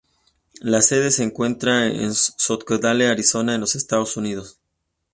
La sede se encuentra en Scottsdale, Arizona, en los Estados Unidos.